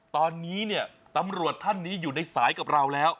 ตอนนี้เนี่ยตำรวจท่านนี้อยู่ในสายกับเราแล้ว